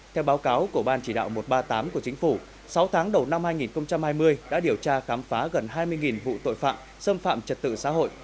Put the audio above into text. theo báo cáo của ban chỉ đạo một trăm ba mươi tám của chính phủ sáu tháng đầu năm hai nghìn hai mươi đã điều tra khám phá gần hai mươi vụ tội phạm xâm phạm trật tự xã hội